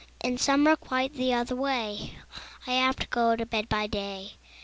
In summer quite the other way, I have to go to bed by day.